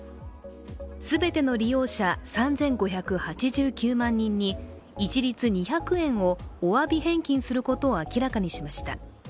全ての利用者３５８９万人に一律２００円をおわび返金することを明らかにしました。